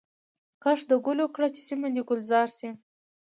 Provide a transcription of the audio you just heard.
کښت د ګلو کړه چي سیمه دي ګلزار سي